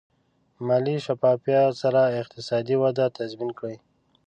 مالي شفافیت سره اقتصادي وده تضمین کړئ.